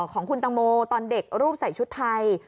ของคุณตังโมตอนเด็กรูปใส่ชุดไทย